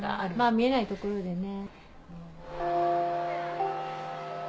見えないところでね。